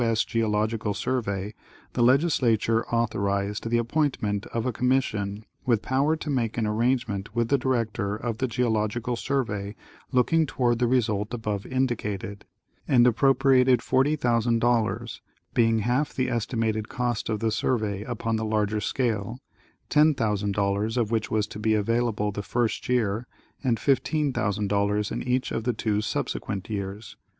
S. Geological Survey, the legislature authorized the appointment of a commission, with power to make an arrangement with the Director of the Geologi cal Survey looking toward the result above indicated, and appro priated 140,000, being half the estimated cost of the survey upon the larger scale, $10,000 of which was to be available the first year and $15,000 in each of the two subsequent years.